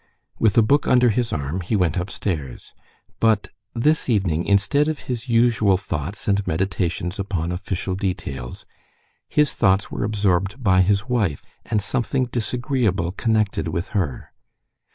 With a book under his arm he went upstairs. But this evening, instead of his usual thoughts and meditations upon official details, his thoughts were absorbed by his wife and something disagreeable connected with her.